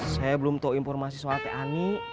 soalnya saya belum tau informasi soal t ani